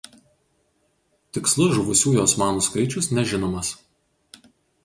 Tikslus žuvusių osmanų skaičius nežinomas.